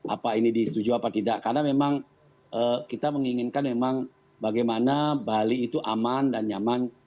apa ini disetujui apa tidak karena memang kita menginginkan memang bagaimana bali itu aman dan nyaman